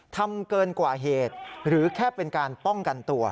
ทำเกินกว่าเหตุหรือแค่เป็นการป้องกันตัว